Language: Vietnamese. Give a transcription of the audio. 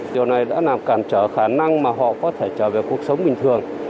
điều này đã làm cản trở khả năng mà họ có thể trở về cuộc sống bình thường